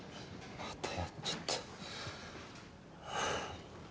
またやっちゃった。